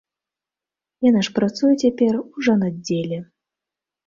Яна ж працуе цяпер у жанаддзеле.